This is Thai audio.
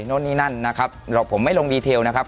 นู่นนี่นั่นนะครับผมไม่ลงดีเทลนะครับ